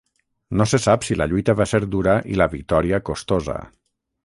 No se sap si la lluita va ser dura i la victòria costosa.